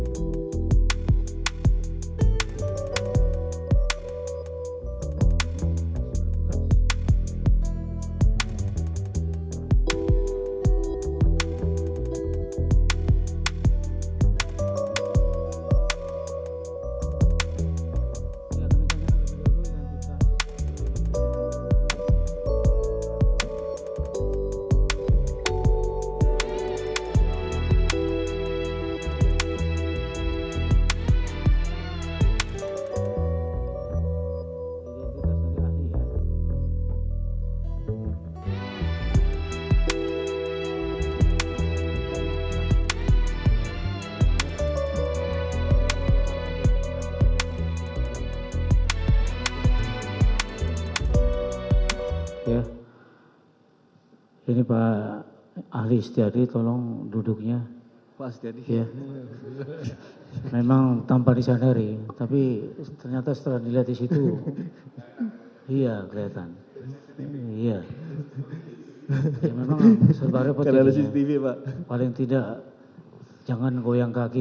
jangan lupa like share dan subscribe channel ini untuk dapat info terbaru dari kami